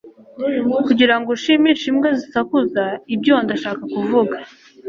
kugirango ushimishe imbwa zisakuza. ibyuho ndashaka kuvuga